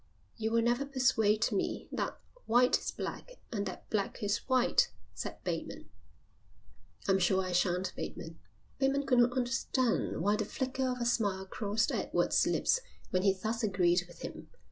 "You will never persuade me that white is black and that black is white," said Bateman. "I'm sure I shan't, Bateman." Bateman could not understand why the flicker of a smile crossed Edward's lips when he thus agreed with him.